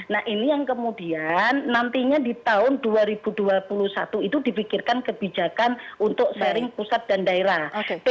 nah ini yang kemudian nantinya di tahun dua ribu dua puluh satu itu dipikirkan kebijakan untuk sharing pusat dan daerah